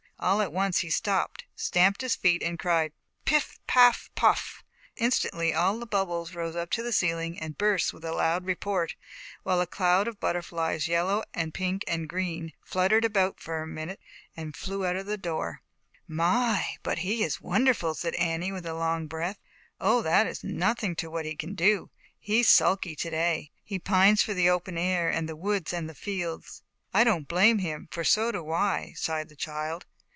All at once he stopped, stamped his feet and cried, " Piff ! paff ! puff!" Instantly all the bubbles rose up to the ceiling and burst with a loud report, while a cloud of butterflies, yellow and pink and green, fluttered about for a minute, then flew out of the door. \\ v ^,_ 'iff ^%\ tMk X ^ x 164 ZAUBERLINDA, THE WISE WITCH. "My! but he is wonderful," said Annie, with a long breath. "Oh, that is nothing to what he can do; he's sulky to day. He pines for the open air and the woods and fields." "I don't blame him, for so do I," sighed the child.